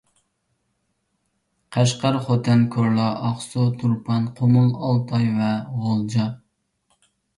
قەشقەر، خوتەن، كورلا، ئاقسۇ، تۇرپان، قۇمۇل، ئالتاي ۋە غۇلجا